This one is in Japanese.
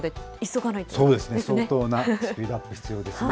相当なスピードアップ必要ですね。